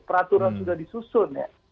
peraturan sudah disusun ya